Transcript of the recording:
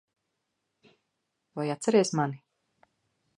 Vai atceries mani?